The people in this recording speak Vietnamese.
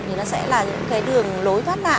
thì nó sẽ là cái đường lối thoát lại